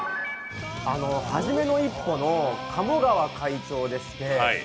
「はじめの一歩」の鴨川会長ですね。